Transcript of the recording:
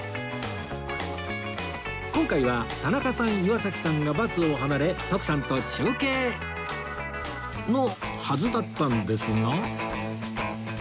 今回は田中さん岩崎さんがバスを離れ徳さんと中継のはずだったんですが